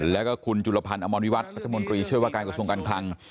และก็คุณจุลพันธ์อมรวมวิวัฒน์รัฐมนตรีเชื่อวะการกระทรวงการคลัง